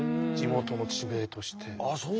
地元の地名として。